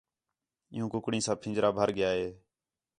عِیّوں کُکڑیں سا پھنجرہ بھر ڳِیا ہے